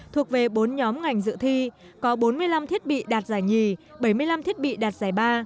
thuộc về bốn nhóm ngành dự thi có bốn mươi năm thiết bị đạt giải nhì bảy mươi năm thiết bị đạt giải ba